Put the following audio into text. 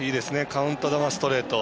カウント球ストレート。